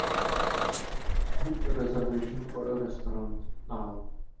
Book a reservation for a restaurant now